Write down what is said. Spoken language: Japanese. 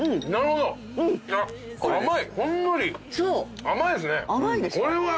ほんのり甘いんすね。